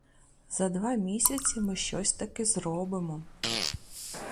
За два місяці ми щось таки заробимо!